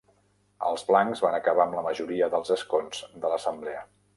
Els blancs van acabar amb la majoria dels escons de l'Assemblea.